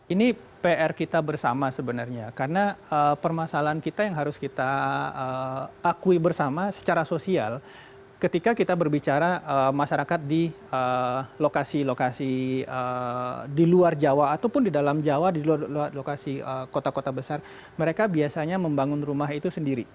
ini pr kita bersama sebenarnya karena permasalahan kita yang harus kita akui bersama secara sosial ketika kita berbicara masyarakat di lokasi lokasi di luar jawa ataupun di dalam jawa di luar lokasi kota kota besar mereka biasanya membangun rumah itu sendiri